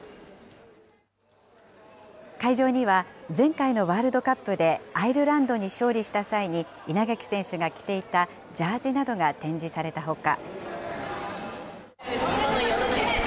会場には、前回のワールドカップでアイルランドに勝利した際に稲垣選手が着ていたジャージなどが展示されたほか。